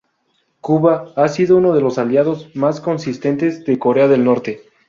Cuba ha sido uno de los aliados más consistentes de Corea del Norte.